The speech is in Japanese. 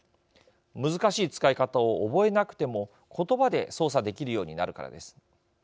難しい使い方を覚えなくても言葉で操作できるようになるからです。